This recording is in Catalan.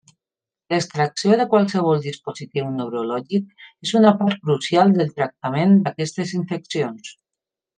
L'extracció de qualsevol dispositiu neurològic és una part crucial del tractament d'aquestes infeccions.